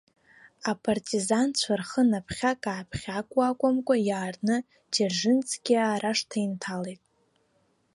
Апартизанцәа рхы наԥхьак-ааԥхьакуа акәымкәа, иаартны ӡержинскиаа рашҭа инҭалеит.